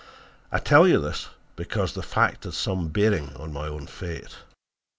I tell you this because the fact had some bearing on my own fate.